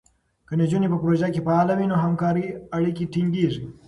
که نجونې په پروژو کې فعاله وي، نو همکارۍ اړیکې ټینګېږي.